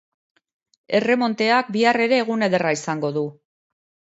Erremonteak bihar ere egun ederra izango du.